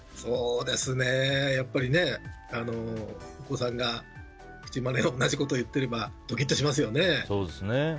やっぱりね、お子さんが口まね、同じことを言っていればドキッとしますよね。